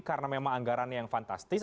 karena memang anggaran yang fantastis